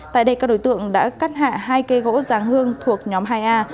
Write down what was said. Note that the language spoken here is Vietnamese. tại đây các đối tượng đã cắt hạ hai cây gỗ giáng hương thuộc nhóm hai a